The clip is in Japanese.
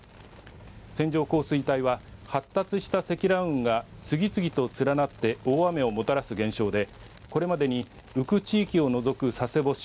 線状降水帯は発達した積乱雲が次々と連なって大雨をもたらす現象でこれまでに宇久地域を除く佐世保市